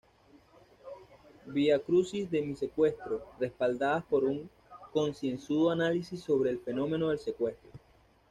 Viacrucis de mi Secuestro, respaldadas por un concienzudo análisis sobre el fenómeno del secuestro.